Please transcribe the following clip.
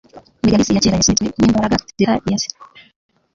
Megalith ya kera yasunitswe n'imbaraga ziruta iya se.